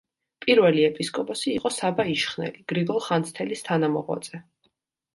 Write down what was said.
პირველი ეპისკოპოსი იყო საბა იშხნელი, გრიგოლ ხანძთელის თანამოღვაწე.